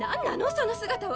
その姿は